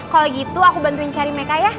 kalau gitu aku bantuin cari mereka ya